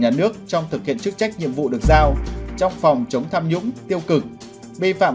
nhà nước trong thực hiện chức trách nhiệm vụ được giao trong phòng chống tham nhũng tiêu cực vi phạm